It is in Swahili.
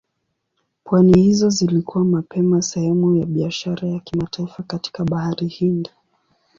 Pwani hizo zilikuwa mapema sehemu ya biashara ya kimataifa katika Bahari Hindi.